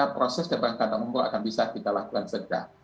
proses keberangkatan umroh akan bisa kita lakukan segera